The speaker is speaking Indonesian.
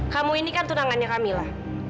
kamu ini kan tunangannya kamila